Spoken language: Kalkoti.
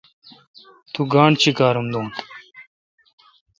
تو گاݨڈہ چیکارم دوں۔